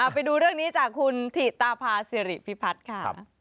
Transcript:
ไปดูเรื่องนี้จากคุณถิตาพาสิริพิพัฒน์ค่ะ